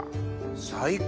最高！